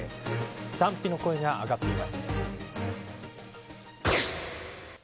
賛否の声が上がっています。